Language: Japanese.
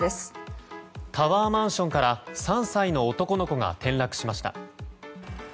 タワーマンションから３歳の男の子が転落しました。